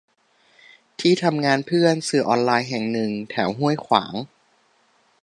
ที่ทำงานเพื่อน สื่อออนไลน์แห่งหนึ่ง แถวห้วยขวาง